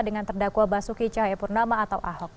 dengan terdakwa basuki cahayapurnama atau ahok